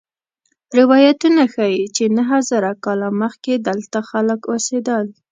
روایتونه ښيي چې نهه زره کاله مخکې دلته خلک اوسېدل.